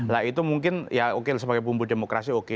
lah itu mungkin ya oke sebagai bumbu demokrasi oke